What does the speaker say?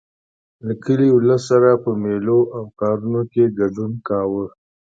له کلي ولس سره په مېلو او کارونو کې ګډون کاوه.